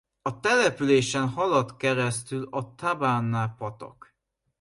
A településen halad keresztül a Tabana-patak.